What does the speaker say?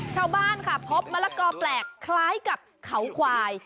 ชาวบ้านค่ะพบมะละกอแปลกคล้ายกับเขาควาย